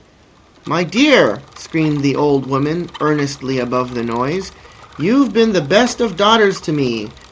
"My dear," screamed the old woman earnestly above the noise, "you've been the best of daughters to me.